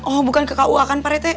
oh bukan ke ku akan pak rt